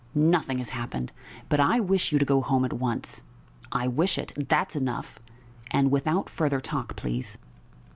"Nothing has happened, but I wish you to go home at once.... I wish it; that's enough, and without further talk, please."